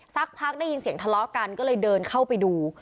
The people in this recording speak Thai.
สักพักได้ยินเสียงทะเลาะกันก็เลยเดินเข้าไปดู